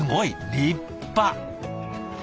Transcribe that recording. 立派！